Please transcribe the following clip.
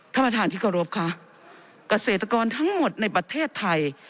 ท่านประธานที่เคารพค่ะเกษตรกรทั้งหมดในประเทศไทย